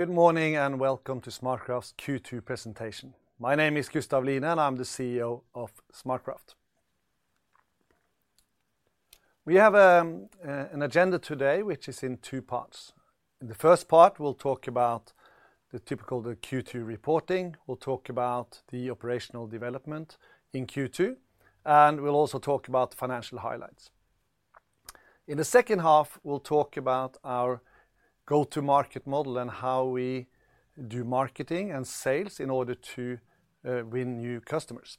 Good morning, and welcome to SmartCraft's Q2 presentation. My name is Gustav Line, and I'm the CEO of SmartCraft. We have an agenda today, which is in two parts. In the first part, we'll talk about the typical, the Q2 reporting, we'll talk about the operational development in Q2, and we'll also talk about the financial highlights. In the second half, we'll talk about our go-to-market model and how we do marketing and sales in order to win new customers.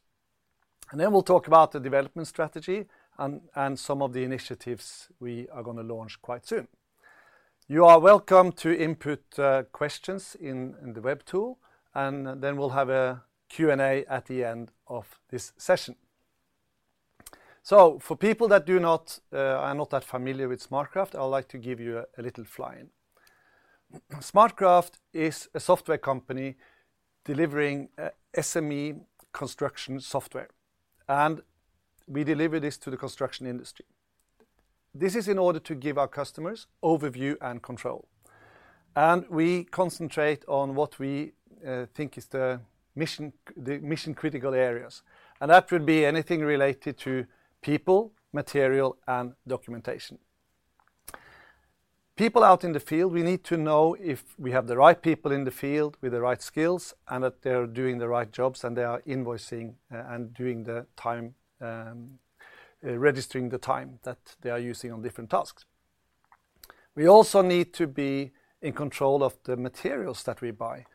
And then we'll talk about the development strategy, and some of the initiatives we are gonna launch quite soon. You are welcome to input questions in the web tool, and then we'll have a Q&A at the end of this session. So for people that do not are not that familiar with SmartCraft, I would like to give you a little fly-in. SmartCraft is a software company delivering SME construction software, and we deliver this to the construction industry. This is in order to give our customers overview and control, and we concentrate on what we think is the mission, the mission-critical areas, and that would be anything related to people, material, and documentation. People out in the field, we need to know if we have the right people in the field with the right skills, and that they're doing the right jobs, and they are invoicing and doing the time registering the time that they are using on different tasks. We also need to be in control of the materials that we buy,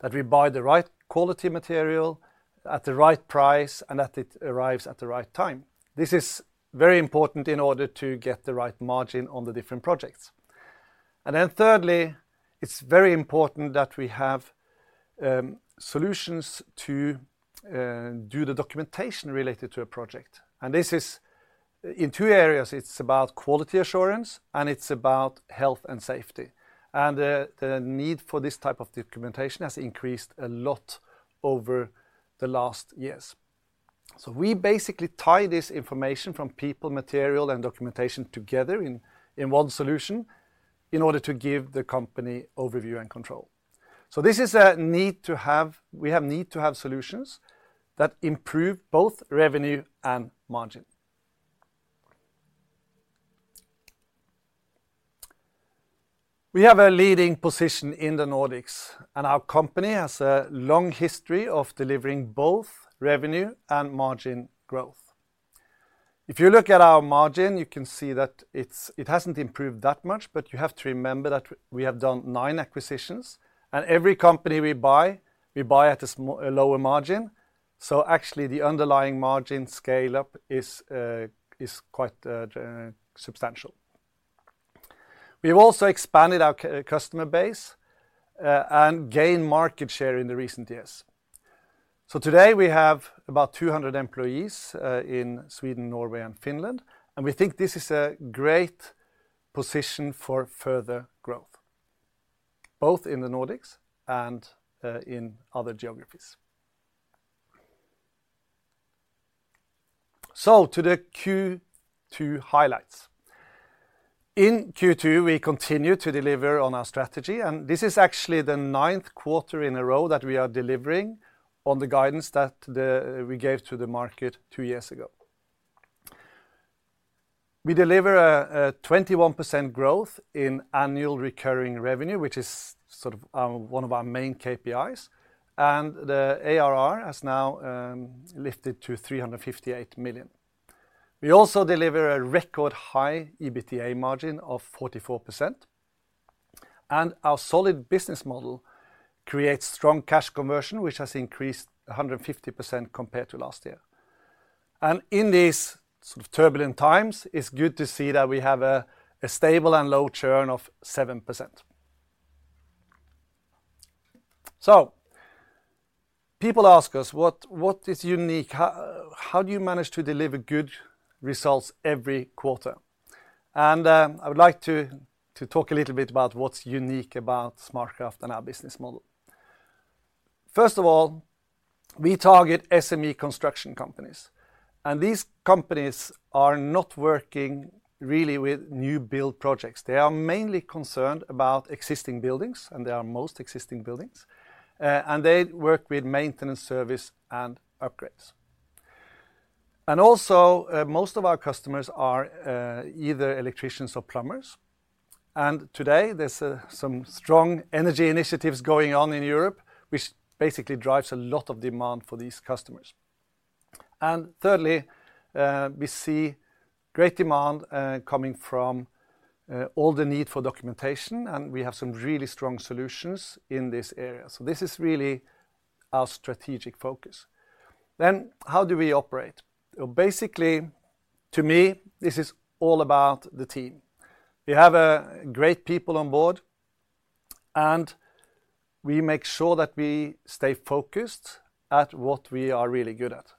that we buy the right quality material at the right price, and that it arrives at the right time. This is very important in order to get the right margin on the different projects. And then thirdly, it's very important that we have solutions to do the documentation related to a project, and this is in two areas: it's about quality assurance, and it's about health and safety. And the need for this type of documentation has increased a lot over the last years. So we basically tie this information from people, material, and documentation together in one solution, in order to give the company overview and control. So this is a need to have. We have need to have solutions that improve both revenue and margin. We have a leading position in the Nordics, and our company has a long history of delivering both revenue and margin growth. If you look at our margin, you can see that it hasn't improved that much, but you have to remember that we have done 9 acquisitions, and every company we buy, we buy at a lower margin, so actually, the underlying margin scale-up is quite substantial. We've also expanded our customer base and gained market share in the recent years. So today we have about 200 employees in Sweden, Norway, and Finland, and we think this is a great position for further growth, both in the Nordics and in other geographies. So to the Q2 highlights. In Q2, we continued to deliver on our strategy, and this is actually the ninth quarter in a row that we are delivering on the guidance that we gave to the market two years ago. We deliver a 21% growth in annual recurring revenue, which is sort of one of our main KPIs, and the ARR has now lifted to 358 million. We also deliver a record-high EBITDA margin of 44%, and our solid business model creates strong cash conversion, which has increased 150% compared to last year. In these sort of turbulent times, it's good to see that we have a stable and low churn of 7%. So people ask us, "What is unique? How do you manage to deliver good results every quarter?" I would like to talk a little bit about what's unique about SmartCraft and our business model. First of all, we target SME construction companies, and these companies are not working really with new-build projects. They are mainly concerned about existing buildings, and they are most existing buildings, and they work with maintenance, service, and upgrades. Also, most of our customers are either electricians or plumbers, and today there's some strong energy initiatives going on in Europe, which basically drives a lot of demand for these customers. Thirdly, we see great demand coming from all the need for documentation, and we have some really strong solutions in this area. So this is really our strategic focus. Then, how do we operate? Well, basically, to me, this is all about the team. We have a great people on board, and we make sure that we stay focused at what we are really good at.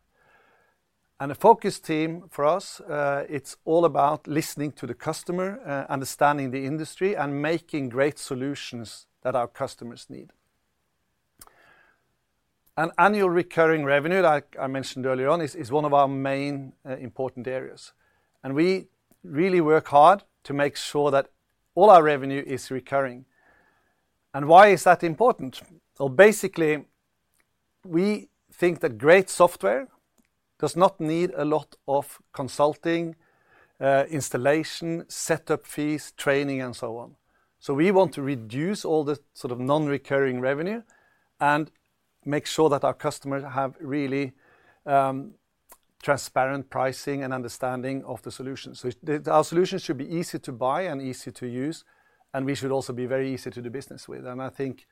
And a focus team for us, it's all about listening to the customer, understanding the industry, and making great solutions that our customers need. And annual recurring revenue, like I mentioned earlier on, is one of our main, important areas. And we really work hard to make sure that all our revenue is recurring. And why is that important? Well, basically, we think that great software does not need a lot of consulting, installation, setup fees, training, and so on. So we want to reduce all the sort of non-recurring revenue and make sure that our customers have really, transparent pricing and understanding of the solution. So our solutions should be easy to buy and easy to use, and we should also be very easy to do business with. And I think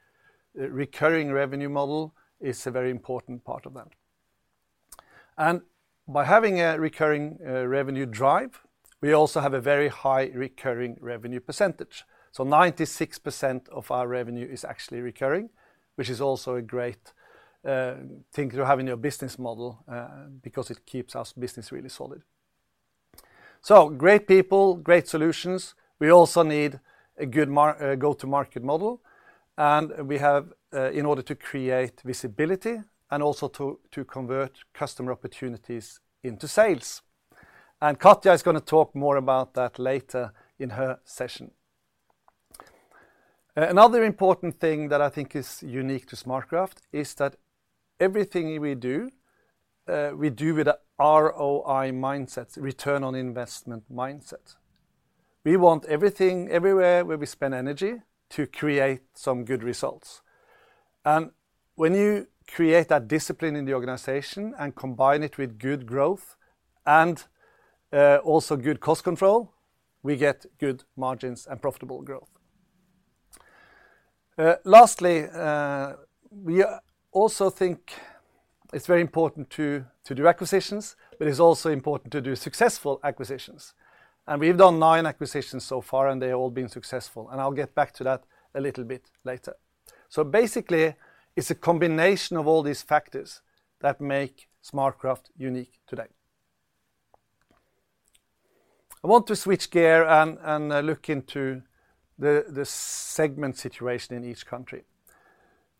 recurring revenue model is a very important part of that. By having a recurring revenue drive, we also have a very high recurring revenue percentage. So 96% of our revenue is actually recurring, which is also a great thing to have in your business model because it keeps our business really solid. So great people, great solutions. We also need a good go-to-market model, and we have in order to create visibility and also to convert customer opportunities into sales. And Katja is gonna talk more about that later in her session. Another important thing that I think is unique to SmartCraft is that everything we do, we do with a ROI mindset, return on investment mindset. We want everything, everywhere, where we spend energy to create some good results. When you create that discipline in the organization and combine it with good growth and also good cost control, we get good margins and profitable growth. Lastly, we also think it's very important to do acquisitions, but it's also important to do successful acquisitions. And we've done nine acquisitions so far, and they've all been successful, and I'll get back to that a little bit later. So basically, it's a combination of all these factors that make SmartCraft unique today. I want to switch gear and look into the segment situation in each country.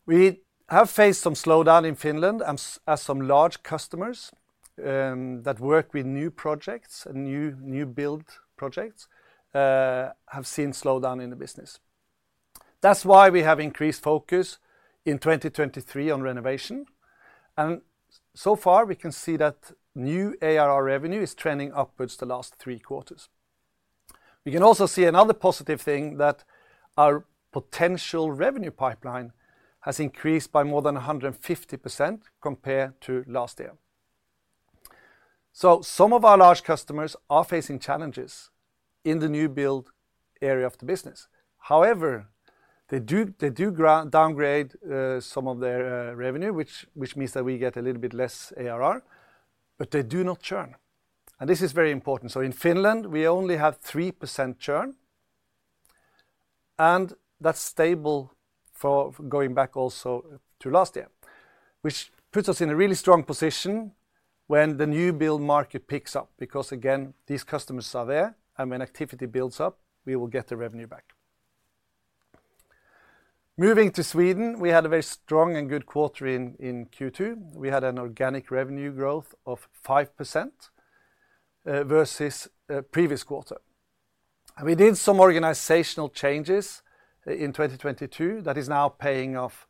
We have faced some slowdown in Finland, and as some large customers that work with new projects and new build projects have seen slowdown in the business. That's why we have increased focus in 2023 on renovation, and so far, we can see that new ARR revenue is trending upwards the last three quarters. We can also see another positive thing, that our potential revenue pipeline has increased by more than 150% compared to last year. So some of our large customers are facing challenges in the new build area of the business. However, they do, they do downgrade some of their revenue, which means that we get a little bit less ARR, but they do not churn, and this is very important. So in Finland, we only have 3% churn, and that's stable for going back also to last year, which puts us in a really strong position when the new build market picks up. Because, again, these customers are there, and when activity builds up, we will get the revenue back. Moving to Sweden, we had a very strong and good quarter in Q2. We had an organic revenue growth of 5% versus previous quarter. We did some organizational changes in 2022 that is now paying off,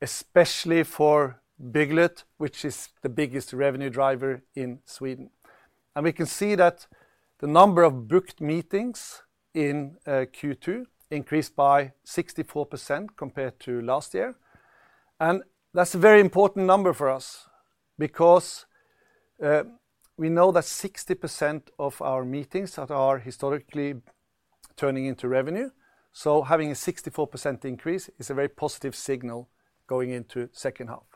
especially for Bygglet, which is the biggest revenue driver in Sweden. And we can see that the number of booked meetings in Q2 increased by 64% compared to last year. And that's a very important number for us because we know that 60% of our meetings that are historically turning into revenue, so having a 64% increase is a very positive signal going into second half.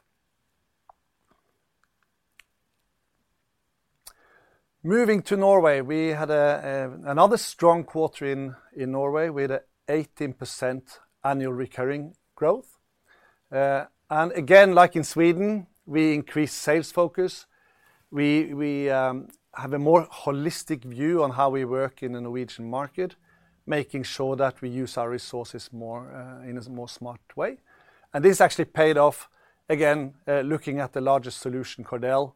Moving to Norway. We had another strong quarter in Norway, with 18% annual recurring growth. And again, like in Sweden, we increased sales focus. We have a more holistic view on how we work in the Norwegian market, making sure that we use our resources more in a more smart way. And this actually paid off. Again, looking at the largest solution, Cordel,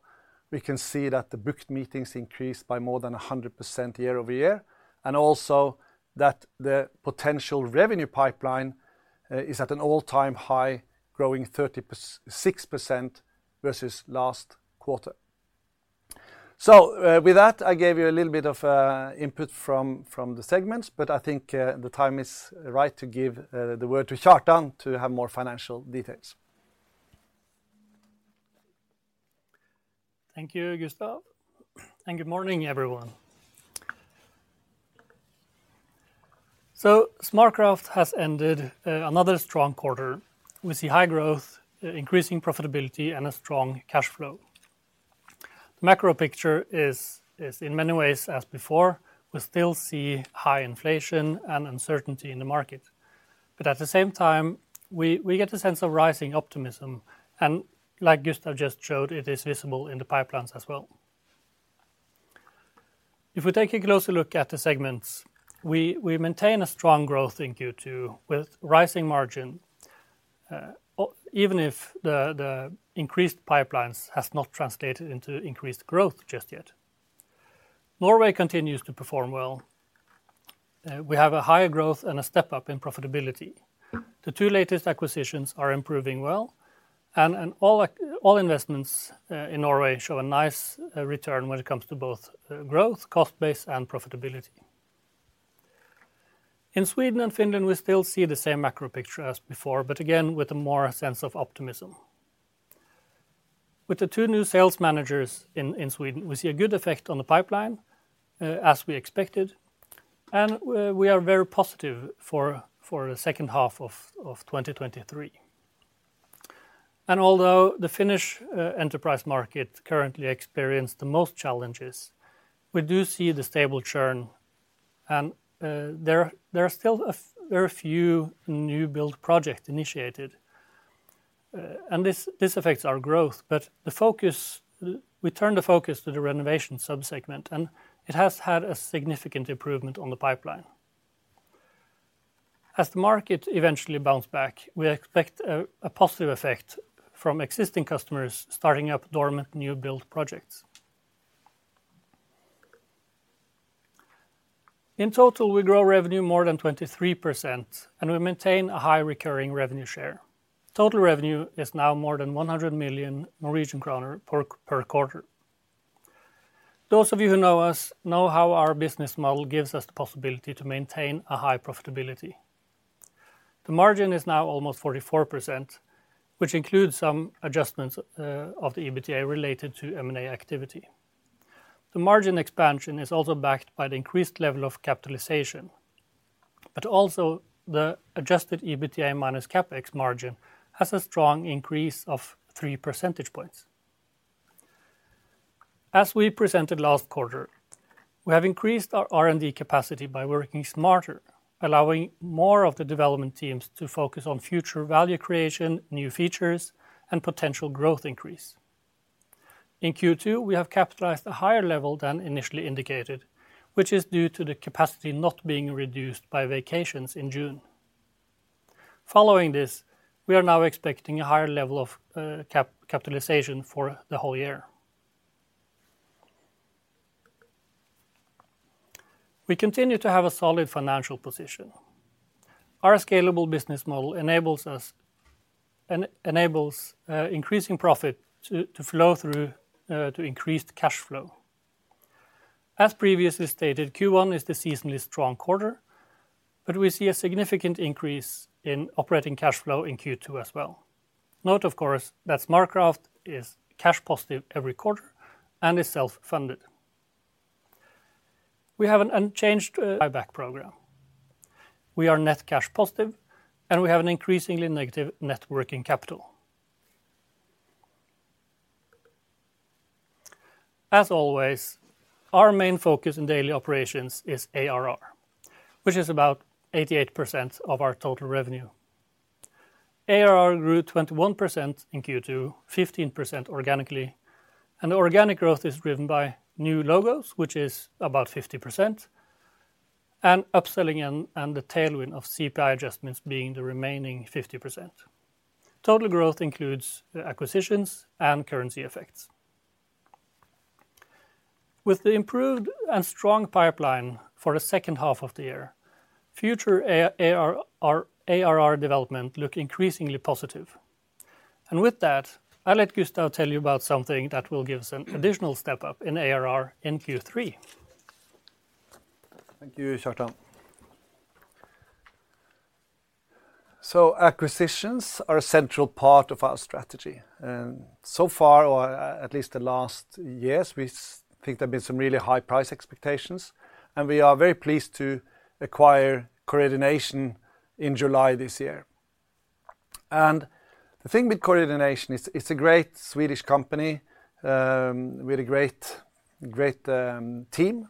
we can see that the booked meetings increased by more than 100% year-over-year, and also that the potential revenue pipeline is at an all-time high, growing 36% versus last quarter. So, with that, I gave you a little bit of input from the segments, but I think the time is right to give the word to Kjartan to have more financial details. Thank you, Gustav, and good morning, everyone. So SmartCraft has ended another strong quarter. We see high growth, increasing profitability, and a strong cash flow. The macro picture is in many ways as before. We still see high inflation and uncertainty in the market. But at the same time, we get a sense of rising optimism, and like Gustav just showed, it is visible in the pipelines as well. If we take a closer look at the segments, we maintain a strong growth in Q2 with rising margin, even if the increased pipelines has not translated into increased growth just yet. Norway continues to perform well. We have a higher growth and a step-up in profitability. The two latest acquisitions are improving well, and all investments in Norway show a nice return when it comes to both growth, cost base, and profitability. In Sweden and Finland, we still see the same macro picture as before, but again, with a more sense of optimism. With the two new sales managers in Sweden, we see a good effect on the pipeline, as we expected, and we are very positive for the second half of 2023. Although the Finnish enterprise market currently experienced the most challenges, we do see the stable churn and there are still a few new build project initiated, and this affects our growth. But the focus, we turn the focus to the renovation sub-segment, and it has had a significant improvement on the pipeline. As the market eventually bounce back, we expect a positive effect from existing customers starting up dormant new build projects. In total, we grow revenue more than 23%, and we maintain a high recurring revenue share. Total revenue is now more than 100 million Norwegian kroner per quarter. Those of you who know us, know how our business model gives us the possibility to maintain a high profitability. The margin is now almost 44%, which includes some adjustments, of the EBITDA related to M&A activity. The margin expansion is also backed by the increased level of capitalization, but also the adjusted EBITDA minus CapEx margin has a strong increase of three percentage points. As we presented last quarter, we have increased our R&D capacity by working smarter, allowing more of the development teams to focus on future value creation, new features, and potential growth increase. In Q2, we have capitalized a higher level than initially indicated, which is due to the capacity not being reduced by vacations in June. Following this, we are now expecting a higher level of capitalization for the whole year. We continue to have a solid financial position. Our scalable business model enables increasing profit to flow through to increased cash flow. As previously stated, Q1 is the seasonally strong quarter, but we see a significant increase in operating cash flow in Q2 as well. Note, of course, that SmartCraft is cash positive every quarter and is self-funded. We have an unchanged buyback program. We are net cash positive, and we have an increasingly negative net working capital. As always, our main focus in daily operations is ARR, which is about 88% of our total revenue. ARR grew 21% in Q2, 15% organically, and organic growth is driven by new logos, which is about 50%, and upselling and the tailwind of CPI adjustments being the remaining 50%. Total growth includes acquisitions and currency effects. With the improved and strong pipeline for the second half of the year, future ARR development looks increasingly positive. And with that, I'll let Gustav tell you about something that will give us an additional step up in ARR in Q3. Thank you, Kjartan. So acquisitions are a central part of our strategy, and so far, at least the last years, we think there've been some really high price expectations, and we are very pleased to acquire Coredination in July this year. And the thing with Coredination is it's a great Swedish company, with a great, great, team.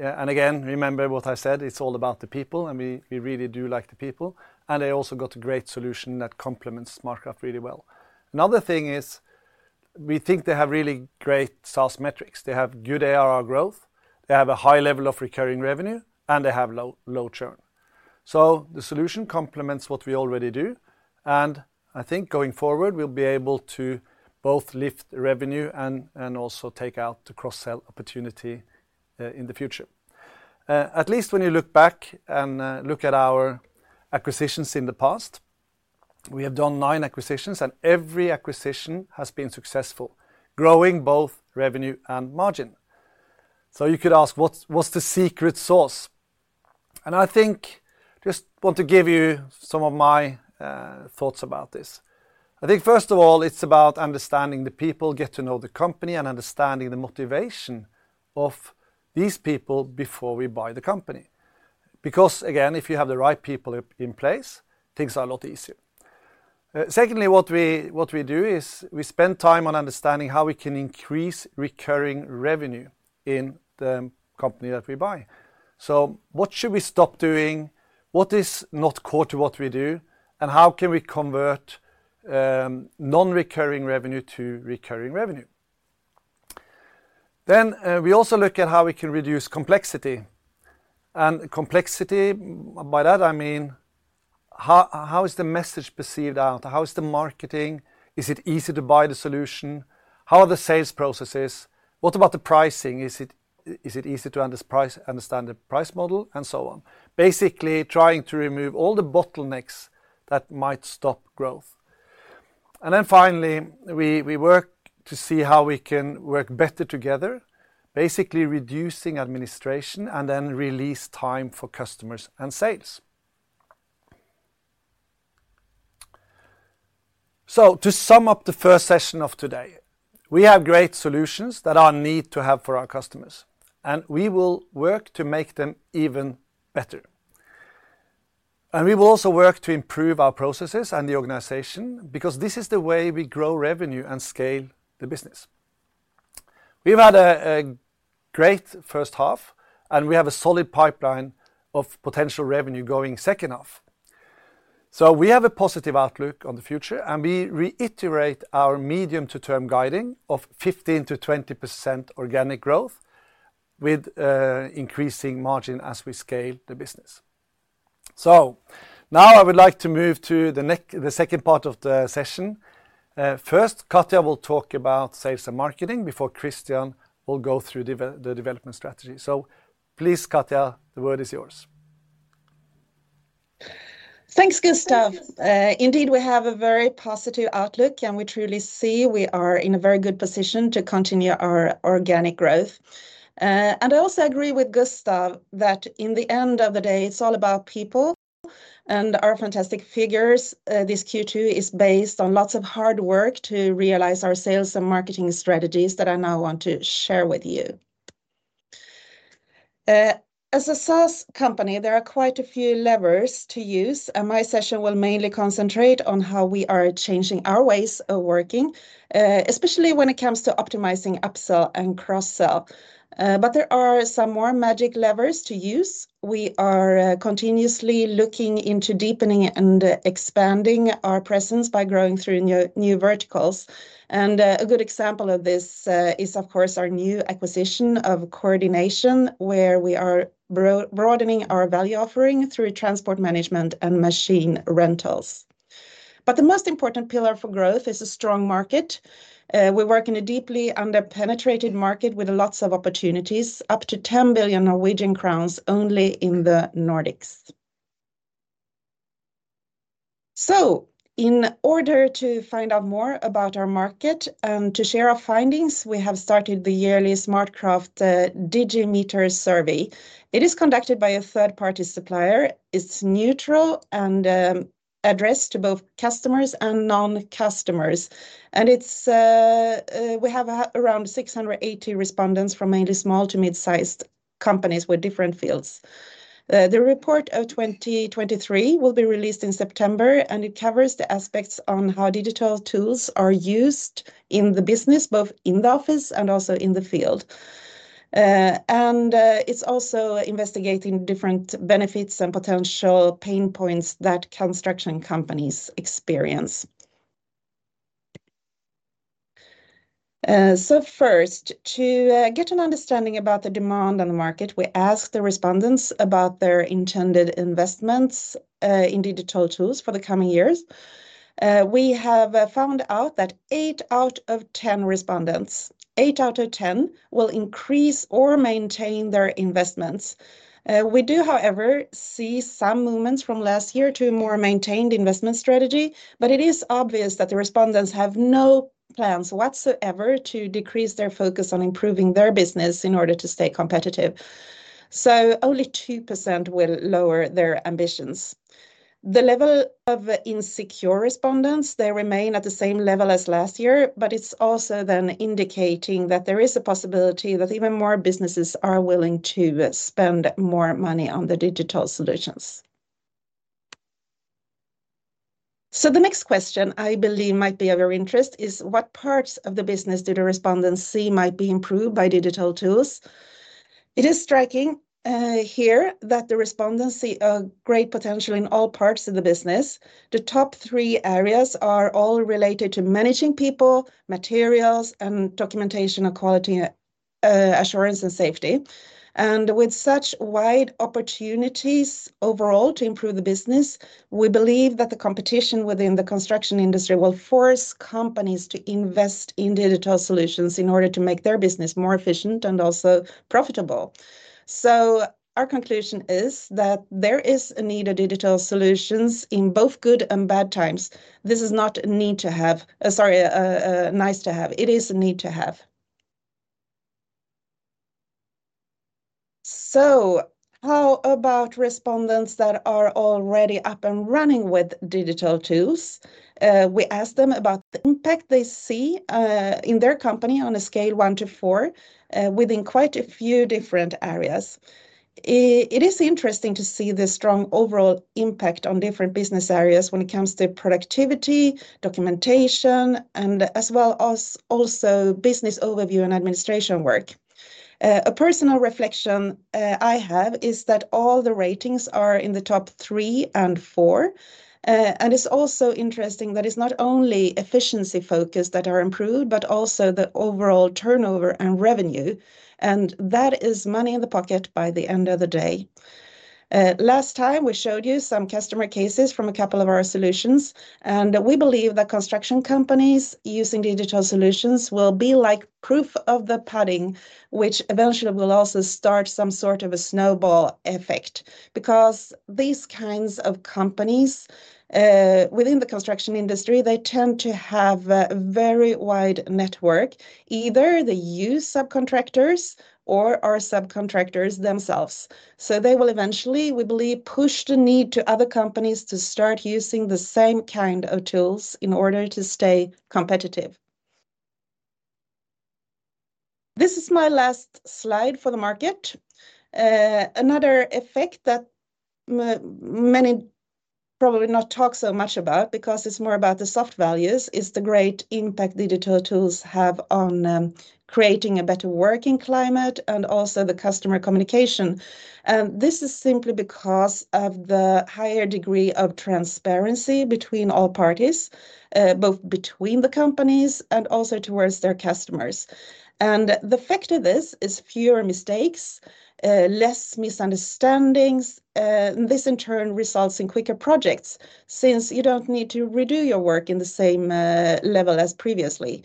And again, remember what I said, it's all about the people, and we, we really do like the people, and they also got a great solution that complements SmartCraft really well. Another thing is we think they have really great sales metrics. They have good ARR growth, they have a high level of recurring revenue, and they have low, low churn. So the solution complements what we already do, and I think going forward, we'll be able to both lift revenue and, and also take out the cross-sell opportunity in the future. At least when you look back and look at our acquisitions in the past, we have done nine acquisitions, and every acquisition has been successful, growing both revenue and margin. So you could ask, "What's, what's the secret sauce?" And I think, just want to give you some of my thoughts about this. I think, first of all, it's about understanding the people, get to know the company, and understanding the motivation of these people before we buy the company. Because, again, if you have the right people in place, things are a lot easier. Secondly, what we, what we do is we spend time on understanding how we can increase recurring revenue in the company that we buy. So what should we stop doing? What is not core to what we do, and how can we convert non-recurring revenue to recurring revenue. Then, we also look at how we can reduce complexity. And complexity, by that I mean, how, how is the message perceived out? How is the marketing? Is it easy to buy the solution? How are the sales processes? What about the pricing? Is it, is it easy to understand the price model, and so on? Basically, trying to remove all the bottlenecks that might stop growth. And then finally, we, we work to see how we can work better together, basically reducing administration, and then release time for customers and sales. So to sum up the first session of today, we have great solutions that are need-to-have for our customers, and we will work to make them even better. And we will also work to improve our processes and the organization, because this is the way we grow revenue and scale the business. We've had a great first half, and we have a solid pipeline of potential revenue going second half. So we have a positive outlook on the future, and we reiterate our medium-term guidance of 15%-20% organic growth, with increasing margin as we scale the business. So now I would like to move to the second part of the session. First, Katja will talk about sales and marketing, before Christian will go through the development strategy. So please, Katja, the word is yours. Thanks, Gustav. Indeed, we have a very positive outlook, and we truly see we are in a very good position to continue our organic growth. And I also agree with Gustav, that in the end of the day, it's all about people, and our fantastic figures. This Q2 is based on lots of hard work to realize our sales and marketing strategies that I now want to share with you. As a sales company, there are quite a few levers to use, and my session will mainly concentrate on how we are changing our ways of working, especially when it comes to optimizing upsell and cross-sell. But there are some more magic levers to use. We are continuously looking into deepening and expanding our presence by growing through new verticals. A good example of this is, of course, our new acquisition of Coredination, where we are broadening our value offering through transport management and machine rentals. But the most important pillar for growth is a strong market. We work in a deeply under-penetrated market with lots of opportunities, up to 10 billion Norwegian crowns only in the Nordics. So in order to find out more about our market and to share our findings, we have started the yearly SmartCraft Digimeter survey. It is conducted by a third-party supplier. It's neutral and addressed to both customers and non-customers. And we have around 680 respondents from mainly small to mid-sized companies with different fields. The report of 2023 will be released in September, and it covers the aspects on how digital tools are used in the business, both in the office and also in the field. It's also investigating different benefits and potential pain points that construction companies experience. So first to get an understanding about the demand on the market, we asked the respondents about their intended investments in digital tools for the coming years. We have found out that eight out of 10 respondents, eight out of 10, will increase or maintain their investments. We do, however, see some movements from last year to a more maintained investment strategy, but it is obvious that the respondents have no plans whatsoever to decrease their focus on improving their business in order to stay competitive. Only 2% will lower their ambitions. The level of insecure respondents, they remain at the same level as last year, but it's also then indicating that there is a possibility that even more businesses are willing to spend more money on the digital solutions. So the next question, I believe might be of your interest, is: What parts of the business do the respondents see might be improved by digital tools? It is striking here that the respondents see a great potential in all parts of the business. The top three areas are all related to managing people, materials, and documentation, and quality assurance, and safety. And with such wide opportunities overall to improve the business, we believe that the competition within the construction industry will force companies to invest in digital solutions in order to make their business more efficient and also profitable. So our conclusion is that there is a need of digital solutions in both good and bad times. This is not a nice to have; it is a need to have. So how about respondents that are already up and running with digital tools? We asked them about the impact they see in their company on a scale of one to four within quite a few different areas. It is interesting to see the strong overall impact on different business areas when it comes to productivity, documentation, and as well as also business overview and administration work. A personal reflection I have is that all the ratings are in the top three and four. It's also interesting that it's not only efficiency focus that are improved, but also the overall turnover and revenue, and that is money in the pocket by the end of the day. Last time we showed you some customer cases from a couple of our solutions, and we believe that construction companies using digital solutions will be like proof of the pudding, which eventually will also start some sort of a snowball effect. Because these kinds of companies, within the construction industry, they tend to have a very wide network. Either they use subcontractors or are subcontractors themselves. So they will eventually, we believe, push the need to other companies to start using the same kind of tools in order to stay competitive. This is my last slide for the market. Another effect that many probably not talk so much about, because it's more about the soft values, is the great impact digital tools have on creating a better working climate and also the customer communication. And this is simply because of the higher degree of transparency between all parties, both between the companies and also towards their customers. And the effect of this is fewer mistakes, less misunderstandings, this in turn results in quicker projects, since you don't need to redo your work in the same level as previously.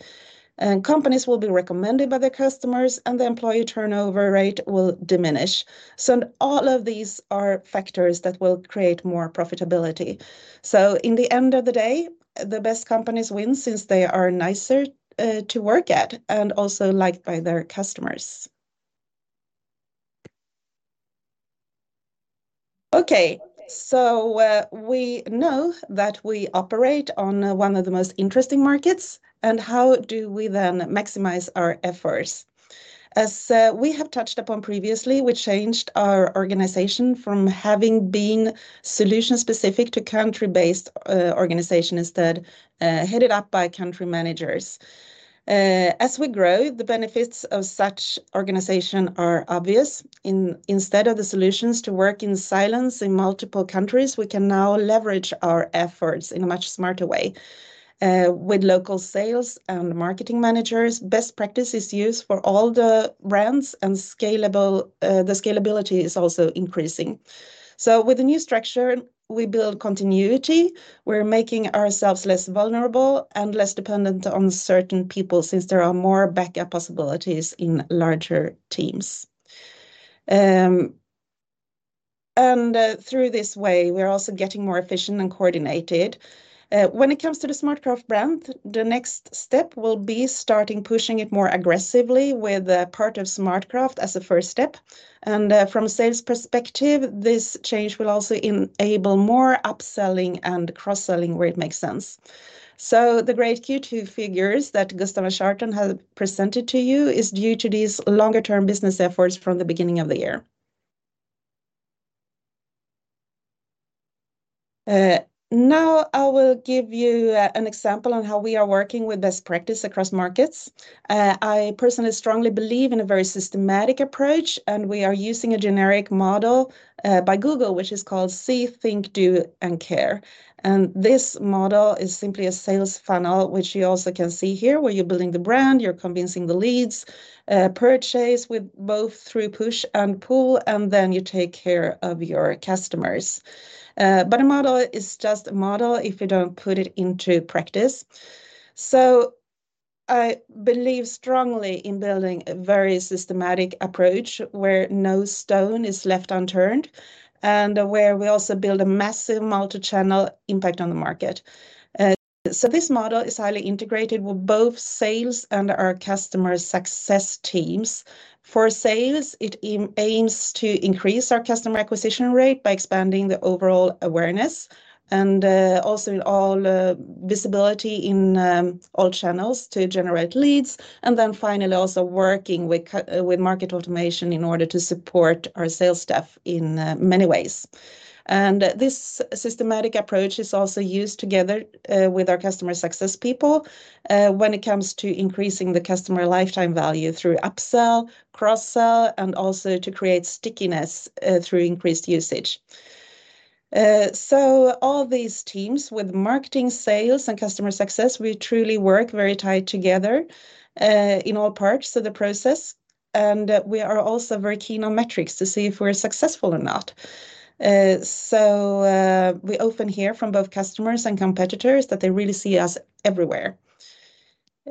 And companies will be recommended by their customers, and the employee turnover rate will diminish. So all of these are factors that will create more profitability. So in the end of the day, the best companies win, since they are nicer to work at and also liked by their customers. Okay, so, we know that we operate on one of the most interesting markets, and how do we then maximize our efforts? As we have touched upon previously, we changed our organization from having been solution-specific to country-based organization instead, headed up by country managers. As we grow, the benefits of such organization are obvious. Instead of the solutions to work in silence in multiple countries, we can now leverage our efforts in a much smarter way, with local sales and marketing managers. Best practice is used for all the brands and the scalability is also increasing. So with the new structure, we build continuity. We're making ourselves less vulnerable and less dependent on certain people, since there are more backup possibilities in larger teams. And through this way, we're also getting more efficient and coordinated. When it comes to the SmartCraft brand, the next step will be starting pushing it more aggressively with a part of SmartCraft as a first step. And, from a sales perspective, this change will also enable more upselling and cross-selling where it makes sense. So the great Q2 figures that Gustav Line has presented to you is due to these longer-term business efforts from the beginning of the year. Now I will give you an example on how we are working with best practice across markets. I personally strongly believe in a very systematic approach, and we are using a generic model by Google, which is called See, Think, Do, and Care. And this model is simply a sales funnel, which you also can see here, where you're building the brand, you're convincing the leads, purchase with both through push and pull, and then you take care of your customers. But a model is just a model if you don't put it into practice. So I believe strongly in building a very systematic approach, where no stone is left unturned, and where we also build a massive multi-channel impact on the market. So this model is highly integrated with both sales and our customer success teams. For sales, it aims to increase our customer acquisition rate by expanding the overall awareness and also all visibility in all channels to generate leads. And then finally, also working with market automation in order to support our sales staff in many ways. This systematic approach is also used together with our customer success people when it comes to increasing the customer lifetime value through upsell, cross-sell, and also to create stickiness through increased usage. So all these teams with marketing, sales, and customer success, we truly work very tight together in all parts of the process, and we are also very keen on metrics to see if we're successful or not. So we often hear from both customers and competitors that they really see us everywhere.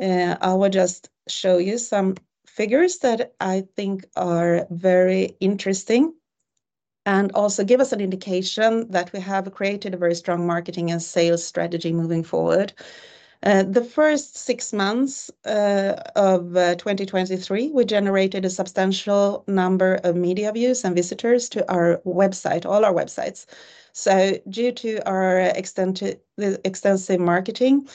I will just show you some figures that I think are very interesting and also give us an indication that we have created a very strong marketing and sales strategy moving forward. The first six months of 2023, we generated a substantial number of media views and visitors to our website, all our websites. So due to our extensive marketing,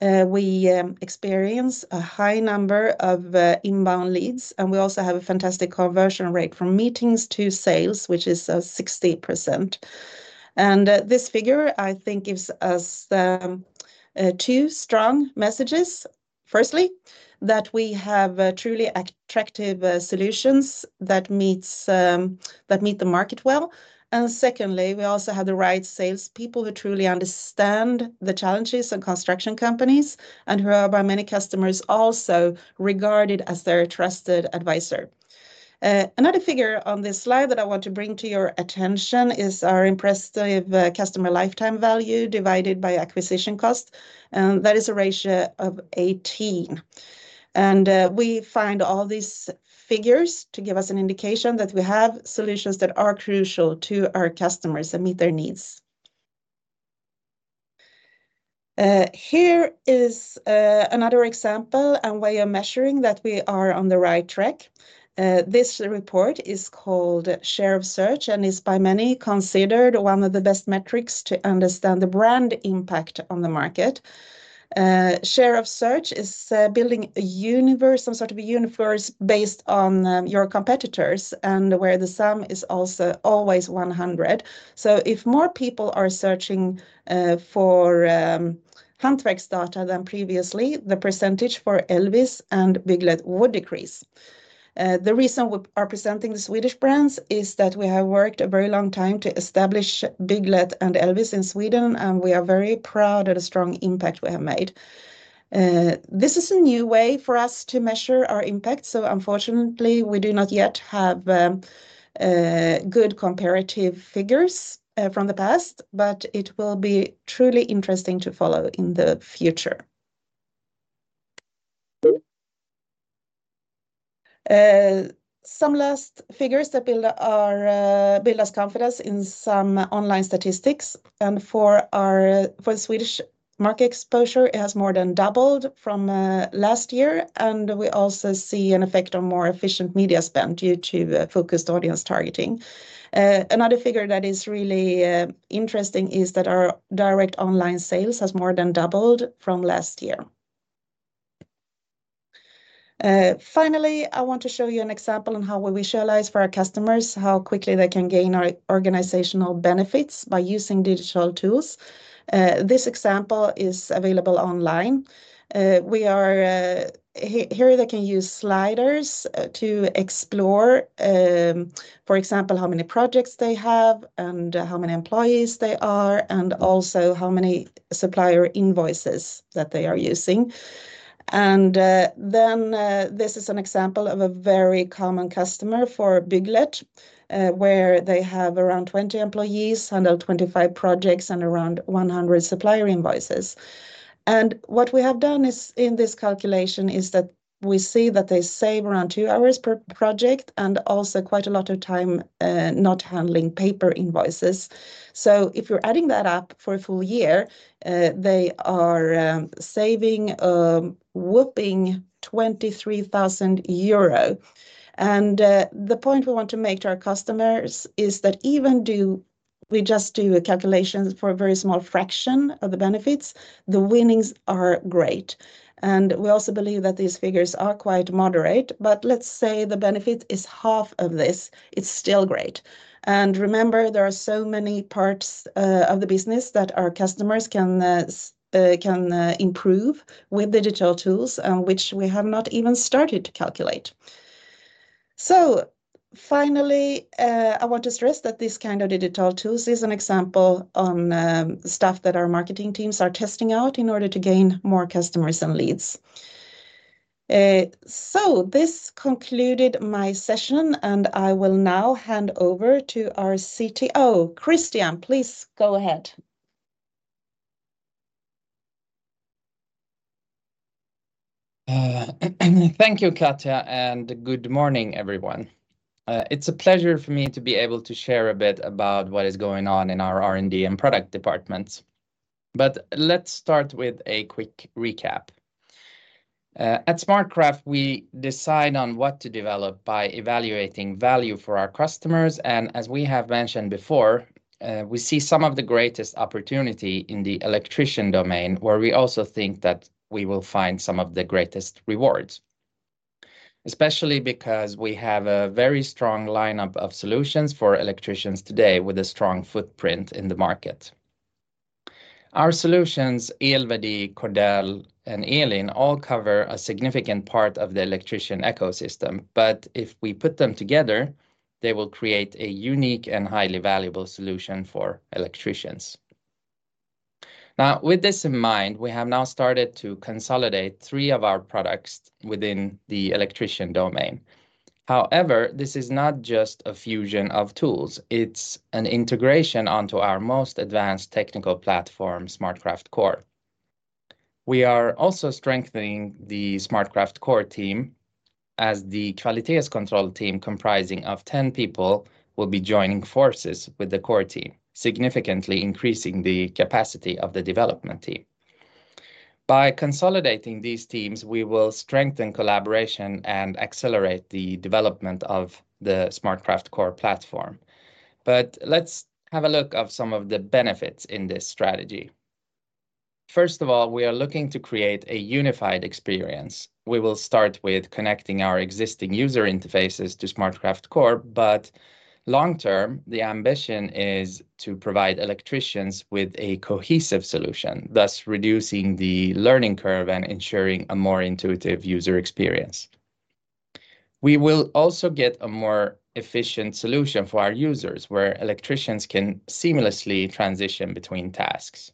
we experienced a high number of inbound leads, and we also have a fantastic conversion rate from meetings to sales, which is 60%. And this figure, I think, gives us two strong messages. Firstly, that we have truly attractive solutions that meet the market well. And secondly, we also have the right salespeople who truly understand the challenges in construction companies, and who are by many customers also regarded as their trusted advisor. Another figure on this slide that I want to bring to your attention is our impressive customer lifetime value divided by acquisition cost, and that is a ratio of 18. And we find all these figures to give us an indication that we have solutions that are crucial to our customers and meet their needs. Here is another example and way of measuring that we are on the right track. This report is called Share of Search, and is by many considered one of the best metrics to understand the brand impact on the market. Share of search is building a universe, some sort of a universe based on your competitors, and where the sum is also always 100. So if more people are searching for Hantverksdata than previously, the percentage for EL-VIS and Bygglet would decrease. The reason we are presenting the Swedish brands is that we have worked a very long time to establish Bygglet and EL-VIS in Sweden, and we are very proud of the strong impact we have made. This is a new way for us to measure our impact, so unfortunately, we do not yet have good comparative figures from the past, but it will be truly interesting to follow in the future. Some last figures that build our confidence in some online statistics, and for the Swedish market exposure, it has more than doubled from last year, and we also see an effect on more efficient media spend due to focused audience targeting. Another figure that is really interesting is that our direct online sales has more than doubled from last year. Finally, I want to show you an example on how we visualize for our customers, how quickly they can gain our organizational benefits by using digital tools. This example is available online. Here they can use sliders to explore, for example, how many projects they have and how many employees they are, and also how many supplier invoices that they are using. Then, this is an example of a very common customer for Bygglet, where they have around 20 employees, 125 projects, and around 100 supplier invoices. What we have done is, in this calculation, is that we see that they save around two hours per project, and also quite a lot of time not handling paper invoices. So if you're adding that up for a full year, they are saving whopping 23,000 euro. And the point we want to make to our customers is that even if we just do a calculation for a very small fraction of the benefits, the winnings are great. And we also believe that these figures are quite moderate, but let's say the benefit is half of this, it's still great. And remember, there are so many parts of the business that our customers can improve with digital tools, and which we have not even started to calculate. So finally, I want to stress that this kind of digital tools is an example on stuff that our marketing teams are testing out in order to gain more customers and leads. So, this concluded my session, and I will now hand over to our CTO. Christian, please go ahead. Thank you, Katja, and good morning, everyone. It's a pleasure for me to be able to share a bit about what is going on in our R&D and product departments. But let's start with a quick recap. At SmartCraft, we decide on what to develop by evaluating value for our customers, and as we have mentioned before, we see some of the greatest opportunity in the electrician domain, where we also think that we will find some of the greatest rewards. Especially because we have a very strong lineup of solutions for electricians today with a strong footprint in the market. Our solutions, El-verdi, Cordel, and Elinn, all cover a significant part of the electrician ecosystem, but if we put them together, they will create a unique and highly valuable solution for electricians. Now, with this in mind, we have now started to consolidate three of our products within the electrician domain. However, this is not just a fusion of tools, it's an integration onto our most advanced technical platform, SmartCraft Core. We are also strengthening the SmartCraft Core team, as the quality control team, comprising of 10 people, will be joining forces with the Core team, significantly increasing the capacity of the development team. By consolidating these teams, we will strengthen collaboration and accelerate the development of the SmartCraft Core platform. But let's have a look of some of the benefits in this strategy.... First of all, we are looking to create a unified experience. We will start with connecting our existing user interfaces to SmartCraft Core, but long term, the ambition is to provide electricians with a cohesive solution, thus reducing the learning curve and ensuring a more intuitive user experience. We will also get a more efficient solution for our users, where electricians can seamlessly transition between tasks.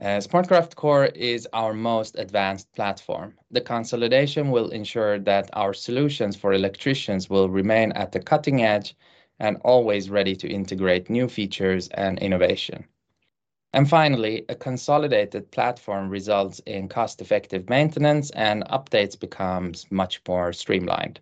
SmartCraft Core is our most advanced platform. The consolidation will ensure that our solutions for electricians will remain at the cutting edge and always ready to integrate new features and innovation. Finally, a consolidated platform results in cost-effective maintenance, and updates becomes much more streamlined.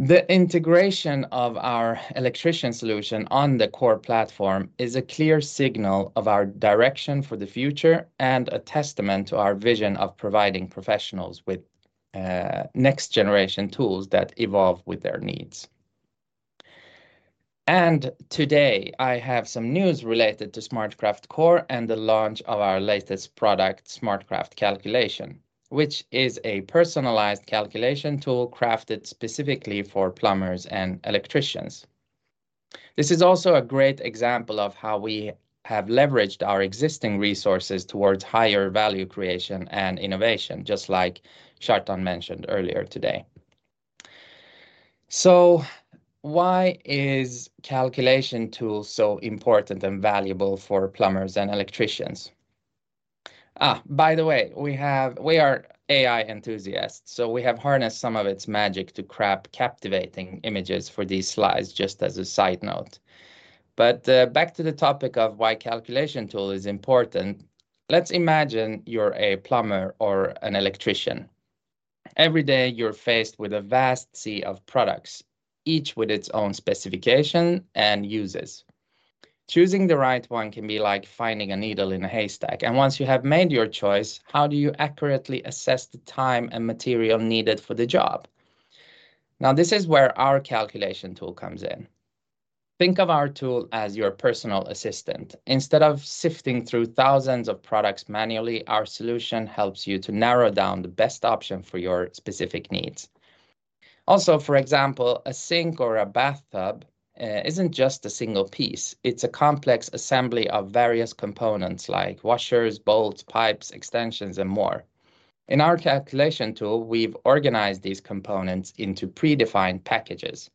The integration of our electrician solution on the Core platform is a clear signal of our direction for the future and a testament to our vision of providing professionals with next-generation tools that evolve with their needs. Today, I have some news related to SmartCraft Core and the launch of our latest product, SmartCraft Calculation, which is a personalized calculation tool crafted specifically for plumbers and electricians. This is also a great example of how we have leveraged our existing resources towards higher value creation and innovation, just like Christian mentioned earlier today. So why is calculation tools so important and valuable for plumbers and electricians? Ah, by the way, we are AI enthusiasts, so we have harnessed some of its magic to craft captivating images for these slides, just as a side note. But, back to the topic of why calculation tool is important. Let's imagine you're a plumber or an electrician. Every day, you're faced with a vast sea of products, each with its own specification and uses. Choosing the right one can be like finding a needle in a haystack, and once you have made your choice, how do you accurately assess the time and material needed for the job? Now, this is where our calculation tool comes in. Think of our tool as your personal assistant. Instead of sifting through thousands of products manually, our solution helps you to narrow down the best option for your specific needs. Also, for example, a sink or a bathtub isn't just a single piece. It's a complex assembly of various components, like washers, bolts, pipes, extensions, and more. In our calculation tool, we've organized these components into predefined packages.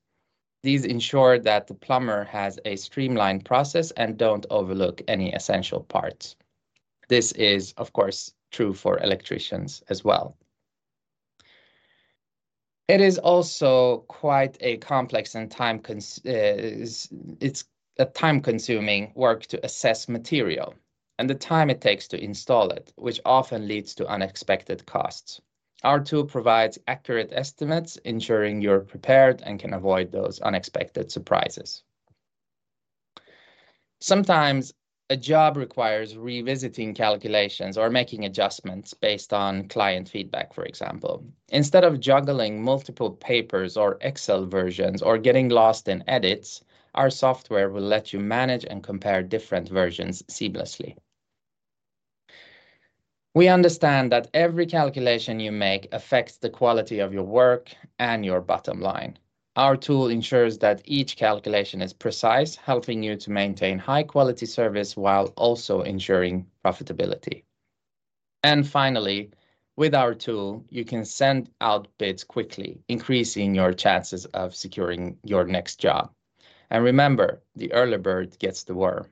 These ensure that the plumber has a streamlined process and don't overlook any essential parts. This is, of course, true for electricians as well. It is also quite a complex and time-consuming work to assess material and the time it takes to install it, which often leads to unexpected costs. Our tool provides accurate estimates, ensuring you're prepared and can avoid those unexpected surprises. Sometimes, a job requires revisiting calculations or making adjustments based on client feedback, for example. Instead of juggling multiple papers or Excel versions or getting lost in edits, our software will let you manage and compare different versions seamlessly. We understand that every calculation you make affects the quality of your work and your bottom line. Our tool ensures that each calculation is precise, helping you to maintain high-quality service while also ensuring profitability. And finally, with our tool, you can send out bids quickly, increasing your chances of securing your next job. And remember, the early bird gets the worm.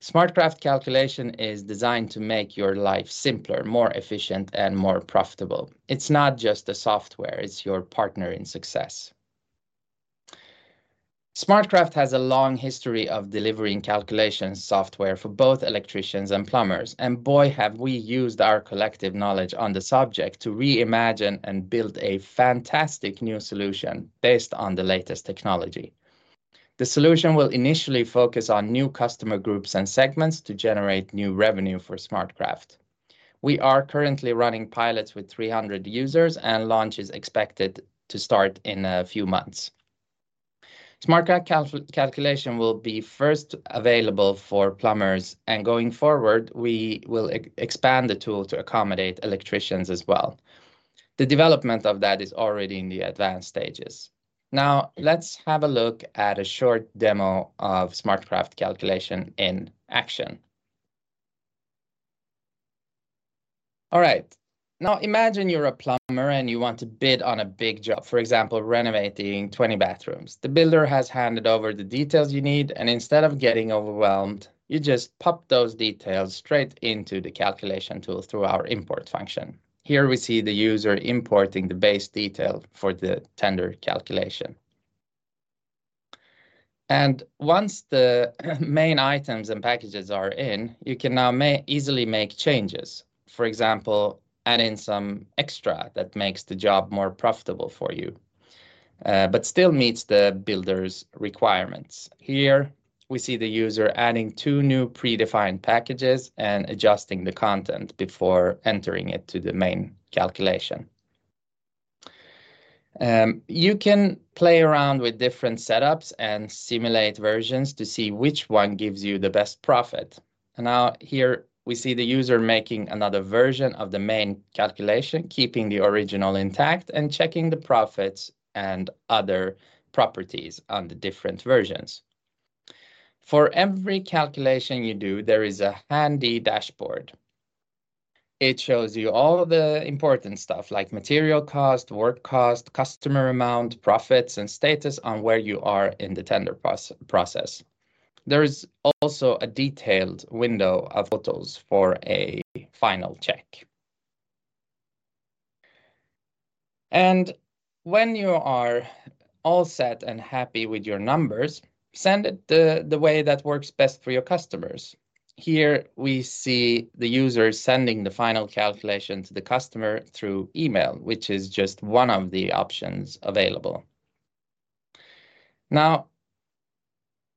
SmartCraft Calculation is designed to make your life simpler, more efficient, and more profitable. It's not just a software, it's your partner in success. SmartCraft has a long history of delivering calculation software for both electricians and plumbers, and boy, have we used our collective knowledge on the subject to reimagine and build a fantastic new solution based on the latest technology. The solution will initially focus on new customer groups and segments to generate new revenue for SmartCraft. We are currently running pilots with 300 users, and launch is expected to start in a few months. SmartCraft Calculation will be first available for plumbers, and going forward, we will expand the tool to accommodate electricians as well. The development of that is already in the advanced stages. Now, let's have a look at a short demo of SmartCraft Calculation in action. All right. Now, imagine you're a plumber, and you want to bid on a big job, for example, renovating 20 bathrooms. The builder has handed over the details you need, and instead of getting overwhelmed, you just pop those details straight into the calculation tool through our import function. Here we see the user importing the base detail for the tender calculation. And once the main items and packages are in, you can now easily make changes. For example, add in some extra that makes the job more profitable for you, but still meets the builder's requirements. Here, we see the user adding two new predefined packages and adjusting the content before entering it to the main calculation. You can play around with different setups and simulate versions to see which one gives you the best profit. And now here we see the user making another version of the main calculation, keeping the original intact, and checking the profits and other properties on the different versions. For every calculation you do, there is a handy dashboard. It shows you all the important stuff, like material cost, work cost, customer amount, profits, and status on where you are in the tender process. There is also a detailed window of photos for a final check. When you are all set and happy with your numbers, send it the way that works best for your customers. Here we see the user sending the final calculation to the customer through email, which is just one of the options available. Now,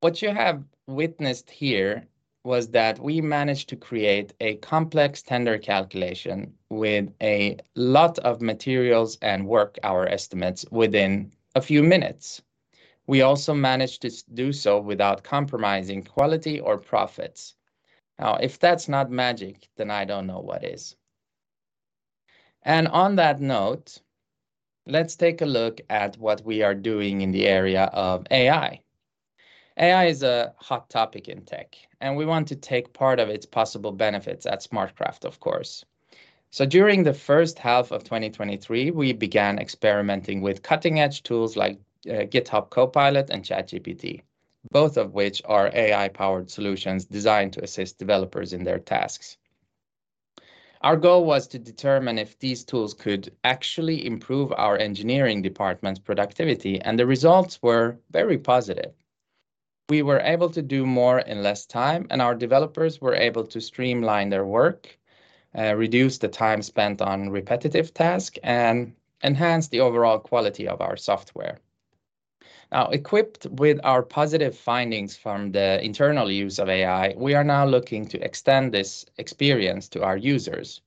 what you have witnessed here was that we managed to create a complex tender calculation with a lot of materials and work-hour estimates within a few minutes. We also managed to do so without compromising quality or profits. Now, if that's not magic, then I don't know what is. And on that note, let's take a look at what we are doing in the area of AI. AI is a hot topic in tech, and we want to take part of its possible benefits at SmartCraft, of course. So during the first half of 2023, we began experimenting with cutting-edge tools like GitHub, Copilot, and ChatGPT, both of which are AI-powered solutions designed to assist developers in their tasks. Our goal was to determine if these tools could actually improve our engineering department's productivity, and the results were very positive. We were able to do more in less time, and our developers were able to streamline their work, reduce the time spent on repetitive task, and enhance the overall quality of our software. Now, equipped with our positive findings from the internal use of AI, we are now looking to extend this experience to our users.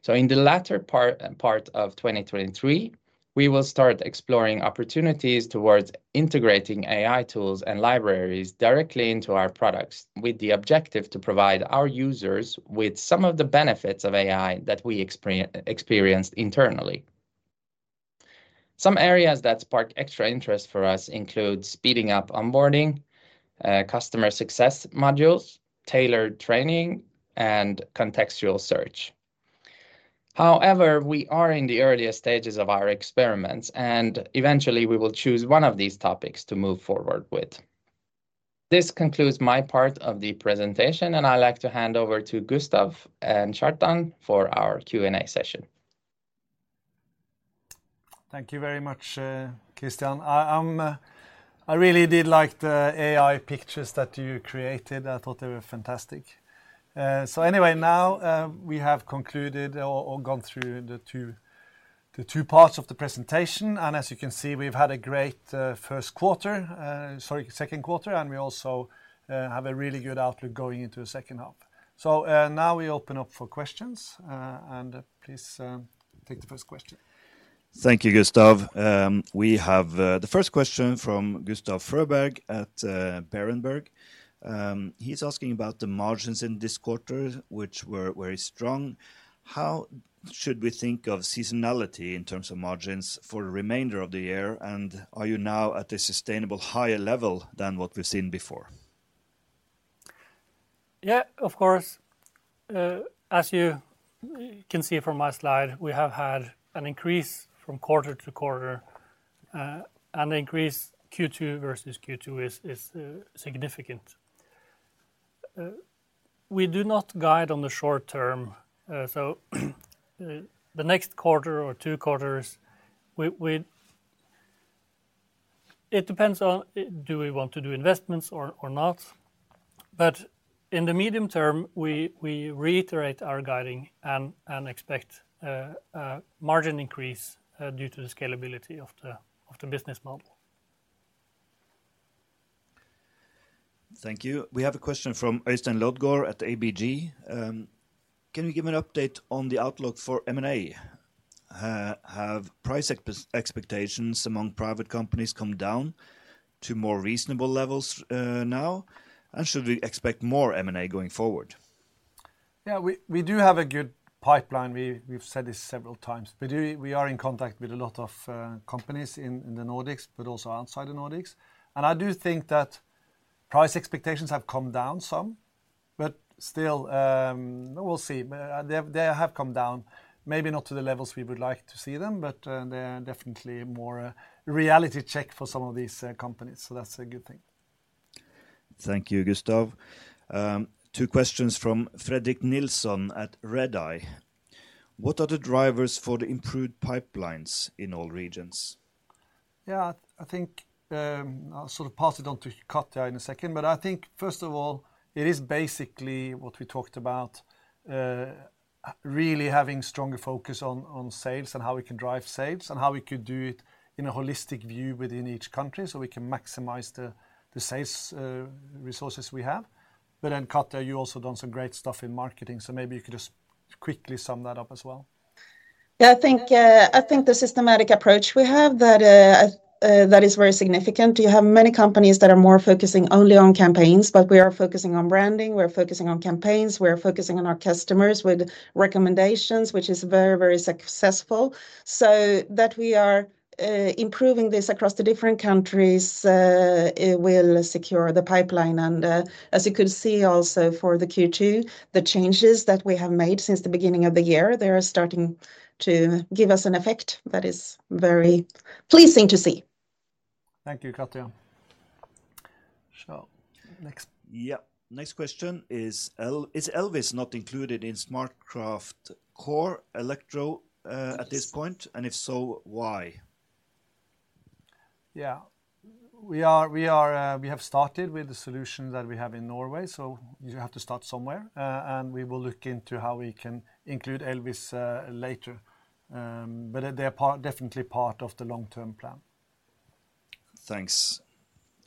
So in the latter part of 2023, we will start exploring opportunities towards integrating AI tools and libraries directly into our products, with the objective to provide our users with some of the benefits of AI that we experienced internally. Some areas that spark extra interest for us include speeding up onboarding, customer success modules, tailored training, and contextual search. However, we are in the earliest stages of our experiments, and eventually we will choose one of these topics to move forward with. This concludes my part of the presentation, and I'd like to hand over to Gustav and Kjartan for our Q&A session. Thank you very much, Christian. I, I really did like the AI pictures that you created. I thought they were fantastic. So anyway, now, we have concluded or gone through the two parts of the presentation, and as you can see, we've had a great first quarter, sorry, second quarter, and we also have a really good outlook going into the second half. So, now we open up for questions, and please, take the first question. Thank you, Gustav. We have the first question from Gustav Fröberg at Berenberg. He's asking about the margins in this quarter, which were very strong. How should we think of seasonality in terms of margins for the remainder of the year? And are you now at a sustainable higher level than what we've seen before? Yeah, of course. As you can see from my slide, we have had an increase from quarter to quarter, and the increase Q2 versus Q2 is significant. We do not guide on the short term, so the next quarter or two quarters, we-- It depends on, do we want to do investments or not? But in the medium term, we reiterate our guiding and expect a margin increase due to the scalability of the business model. Thank you. We have a question from Øystein Lodgaard at ABG. Can you give an update on the outlook for M&A? Have price expectations among private companies come down to more reasonable levels, now? And should we expect more M&A going forward? Yeah, we do have a good pipeline. We've said this several times. We are in contact with a lot of companies in the Nordics, but also outside the Nordics. I do think that price expectations have come down some, but still, we'll see. But they have come down, maybe not to the levels we would like to see them, but they are definitely more a reality check for some of these companies, so that's a good thing. Thank you, Gustav. Two questions from Fredrik Nilsson at Redeye. What are the drivers for the improved pipelines in all regions? Yeah, I think, I'll sort of pass it on to Katja in a second, but I think, first of all, it is basically what we talked about, really having stronger focus on sales and how we can drive sales, and how we could do it in a holistic view within each country, so we can maximize the sales resources we have. But then, Katja, you've also done some great stuff in marketing, so maybe you could quickly sum that up as well? Yeah, I think, I think the systematic approach we have that, that is very significant. You have many companies that are more focusing only on campaigns, but we are focusing on branding, we're focusing on campaigns, we're focusing on our customers with recommendations, which is very, very successful. So that we are, improving this across the different countries, it will secure the pipeline. And, as you could see also for the Q2, the changes that we have made since the beginning of the year, they are starting to give us an effect that is very pleasing to see. Thank you, Katja. So, next. Yeah. Next question, is EL-VIS not included in SmartCraft Core Electro at this point? And if so, why? Yeah. We are, we have started with the solution that we have in Norway, so you have to start somewhere. And we will look into how we can include EL-VIS later. But they're part, definitely part of the long-term plan. Thanks.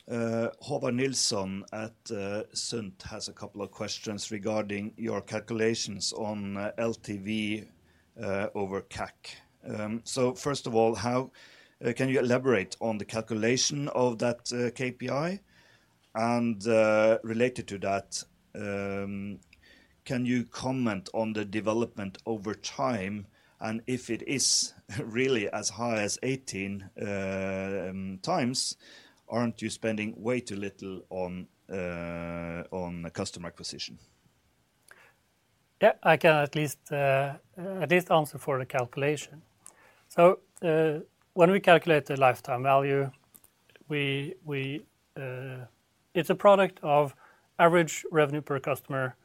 Håvard Nilsson at SpareBank 1 has a couple of questions regarding your calculations on LTV over CAC. So first of all, can you elaborate on the calculation of that KPI? And related to that, can you comment on the development over time, and if it is really as high as 18 times, aren't you spending way too little on customer acquisition? Yeah, I can at least, at least answer for the calculation. So, when we calculate the lifetime value, we, we... It's a product of average revenue per customer,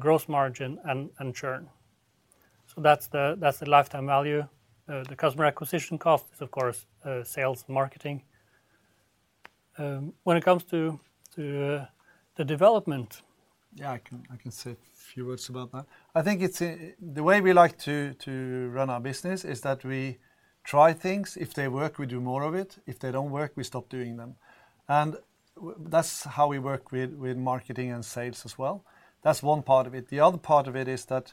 gross margin, and, and churn. So that's the, that's the lifetime value. The customer acquisition cost is, of course, sales and marketing. When it comes to, to, the development- Yeah, I can, I can say a few words about that. I think it's. The way we like to run our business is that we try things. If they work, we do more of it. If they don't work, we stop doing them. And that's how we work with marketing and sales as well. That's one part of it. The other part of it is that,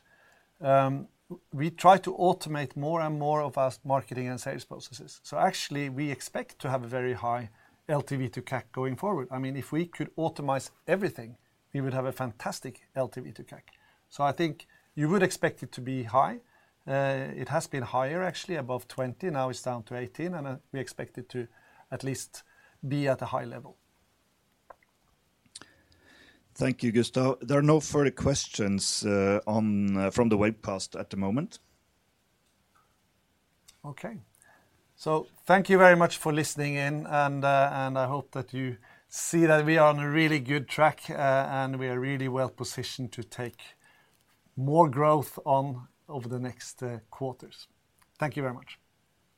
we try to automate more and more of our marketing and sales processes. So actually, we expect to have a very high LTV to CAC going forward. I mean, if we could automate everything, we would have a fantastic LTV to CAC. So I think you would expect it to be high. It has been higher, actually, above 20, now it's down to 18, and, we expect it to at least be at a high level. Thank you, Gustav. There are no further questions from the webcast at the moment. Okay. Thank you very much for listening in, and, and I hope that you see that we are on a really good track, and we are really well positioned to take more growth on over the next, quarters. Thank you very much.